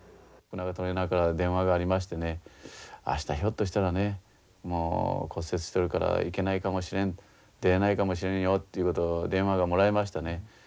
福永トレーナーから電話がありましてね「明日ひょっとしたらねもう骨折してるから行けないかもしれん出れないかもしれんよ」ということを電話もらいましたね。